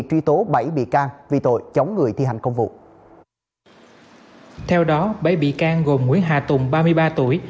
truy tố bảy bị can vì tội chống người thi hành công vụ theo đó bảy bị can gồm nguyễn hà tùng ba mươi ba tuổi